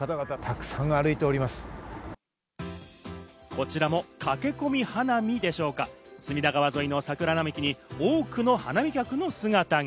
こちらも駆け込み花見でしょうか、隅田川沿いの桜並木に多くの花見客の姿が。